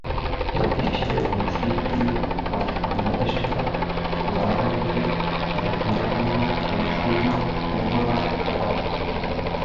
Shehe wa msikiti wa Sambasha Swalehe Jumanne amesema kuwa wamekuwa wakitoa elimu ya mapambano